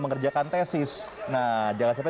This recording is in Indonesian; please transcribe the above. mengerjakan tesis nah jangan sampai